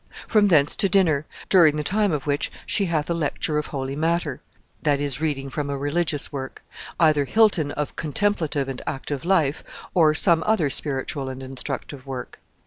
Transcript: From thence to dynner, during the tyme of whih she hath a lecture of holy matter (that is, reading from a religious book), either Hilton of Contemplative and Active Life, or some other spiritual and instructive work.